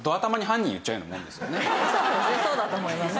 そうだと思います。